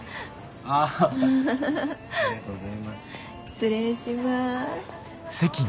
失礼します。